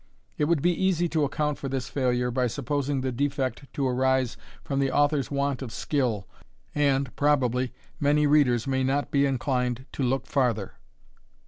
It would be easy to account for this failure, by supposing the defect to arise from the author's want of skill, and, probably, many readers may not be inclined to look farther.